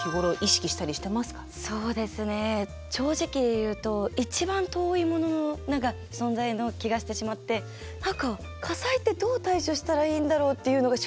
そうですね正直言うと一番遠いものの何か存在の気がしてしまって何か火災ってどう対処したらいいんだろうっていうのが正直な疑問で。